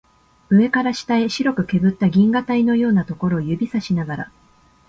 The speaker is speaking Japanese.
上から下へ白くけぶった銀河帯のようなところを指さしながら